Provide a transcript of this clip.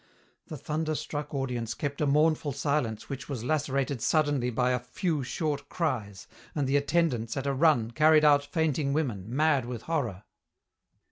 The thunder struck audience kept a mournful silence which was lacerated suddenly by a few short cries, and the attendants, at a run, carried out fainting women, mad with horror.